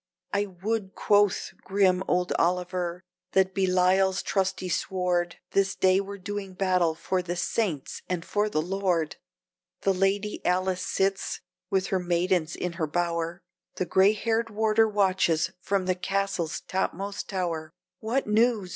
"I would," quoth grim old Oliver, "that Belial's trusty sword This day were doing battle for the Saints and for the Lord!" The Lady Alice sits with her maidens in her bower, The gray haired warder watches from the castle's topmost tower; "What news?